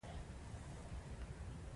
هغه نشي زغملای چې بل پانګوال ډېره ګټه وکړي